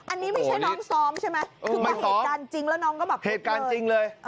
อันนี้ไม่ใช่น้องซ้อมใช่ไหมคือพอเหตุการณ์จริงแล้วน้องก็แบบเหตุการณ์จริงเลย